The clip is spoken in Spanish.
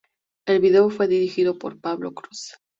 El vídeo fue dirigido por Pablo Croce.